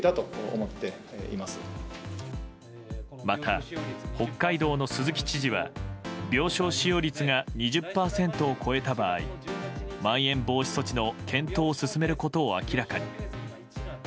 また、北海道の鈴木知事は病床使用率が２０％を超えた場合まん延防止措置の検討を進めることを明らかに。